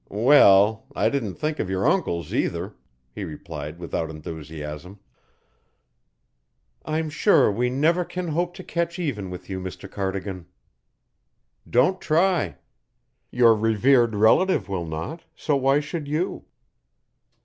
"Well I didn't think of your uncle's, either," he replied without enthusiasm. "I'm sure we never can hope to catch even with you, Mr. Cardigan." "Don't try. Your revered relative will not; so why should you?"